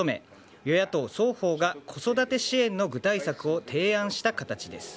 与野党双方が子育て支援の具体策を提案した形です。